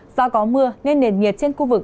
do có mưa nên nền nhiệt trên khu vực